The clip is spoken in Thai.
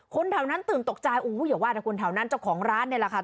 แถวนั้นตื่นตกใจอย่าว่าแต่คนแถวนั้นเจ้าของร้านเนี่ยแหละค่ะ